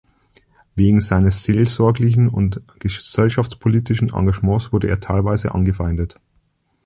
Wegen seines seelsorglichen und gesellschaftspolitischen Engagements wurde er teilweise angefeindet.